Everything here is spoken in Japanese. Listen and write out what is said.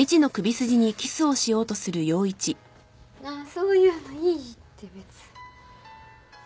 そういうのいいって別に。